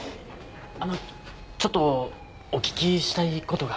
あのちょっとお聞きしたい事が。